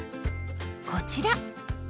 こちら！